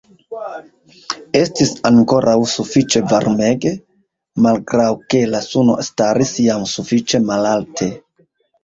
Estis ankoraŭ sufiĉe varmege, malgraŭ ke la suno staris jam sufiĉe malalte.